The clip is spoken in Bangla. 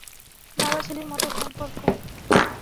বাবা-ছেলের মতো সম্পর্ক।